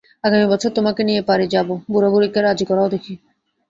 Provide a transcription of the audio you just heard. আগামী বছর তোমাকে নিয়ে পারি যাব, বুড়োবুড়ীকে রাজী করাও দেখি।